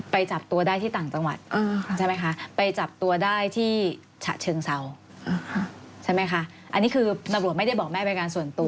จับตัวได้ที่ต่างจังหวัดใช่ไหมคะไปจับตัวได้ที่ฉะเชิงเศร้าใช่ไหมคะอันนี้คือตำรวจไม่ได้บอกแม่เป็นการส่วนตัว